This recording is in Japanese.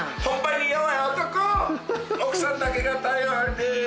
奥さんだけが頼り！